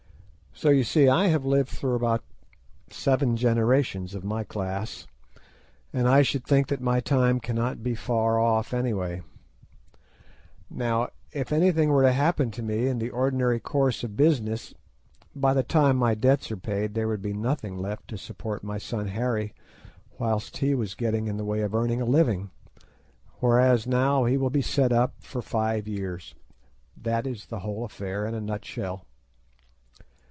So you see I have lived through about seven generations of my class, and I should think that my time cannot be far off, anyway. Now, if anything were to happen to me in the ordinary course of business, by the time my debts are paid there would be nothing left to support my son Harry whilst he was getting in the way of earning a living, whereas now he will be set up for five years. There is the whole affair in a nutshell."